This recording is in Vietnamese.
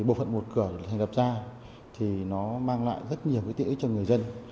bộ phận một cửa được thành lập ra thì nó mang lại rất nhiều cái tỉ ức cho người dân